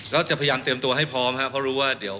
ก็จะพยายามเตรียมตัวให้พร้อมครับเพราะรู้ว่าเดี๋ยว